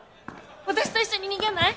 私と一緒に逃げない？